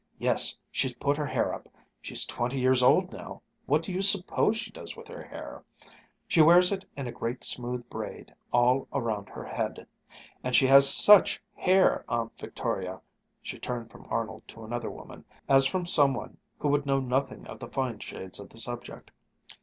Yes, she's put her hair up! She's twenty years old now, what do you suppose she does with her hair? She wears it in a great smooth braid all around her head. And she has such hair, Aunt Victoria!" She turned from Arnold to another woman, as from some one who would know nothing of the fine shades of the subject.